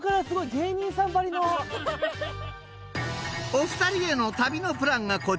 ［お二人への旅のプランがこちら］